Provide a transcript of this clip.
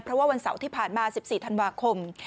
เพราะว่าวันเสาร์ที่ผ่านมา๑๔ธันวาคม